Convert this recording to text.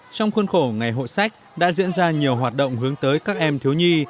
trong khuôn khổ ngày hội sách đã diễn ra nhiều hoạt động hướng tới các em thiếu nhi